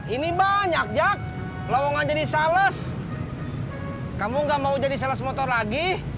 ini banyak jak lawang aja di sales kamu nggak mau jadi sales motor lagi